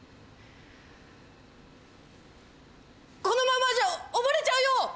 このままじゃ溺れちゃうよ！